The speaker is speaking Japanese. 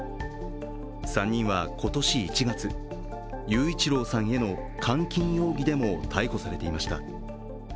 ３人は今年１月、雄一郎さんへの監禁容疑でも逮捕されていました。